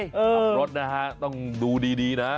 ขับรถนะฮะต้องดูดีนะ